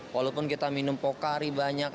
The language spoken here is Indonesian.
walaupun kita minum pokari banyak